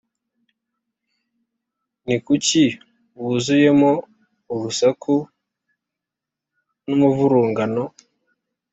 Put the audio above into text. Ni kuki wuzuyemo urusaku n’umuvurungano,